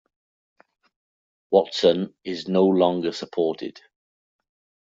Watson is no longer supported.